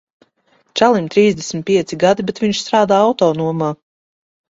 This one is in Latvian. Čalim trīsdesmit pieci gadi, bet viņš strādā autonomā.